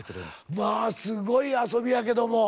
まあすごい遊びやけども。